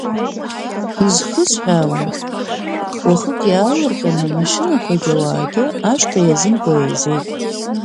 Изхысҳәаауа, уахык иаалырҟьаны амашьынақәагьы ауаагьы ашҭа иазымкуа еизеит.